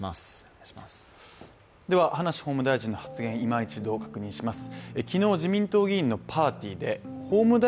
葉梨法務大臣の発言、いま一度確認します。